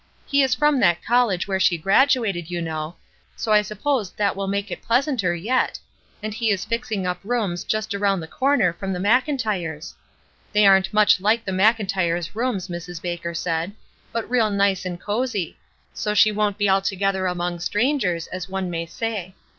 He is from that college 424 ESTER RIED^S NAMESAKE where she graduated, you know, so I suppose that will make it pleasanter yet — and he is fixing up rooms just around the corner from the Mclntyres; they aren't much like the Mclntyres' rooms, Mrs. Baker said, but real nice and cosey ; so she won't be altogether among strangers, as one may say.